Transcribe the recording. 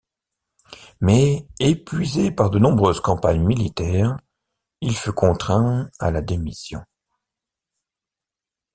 Mais épuisé par de nombreuses campagnes militaires, il fut contraint à la démission.